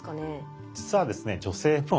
実はですねえ女性も。